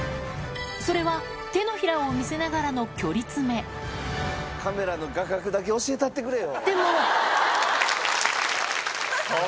それは手のひらを見せながらの距離詰めカメラの画角だけ教えたってくれよ。